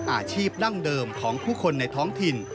อาชีพดั้งเดิมของผู้คนในท้องถิ่น